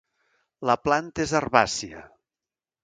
La planta és herbàcia.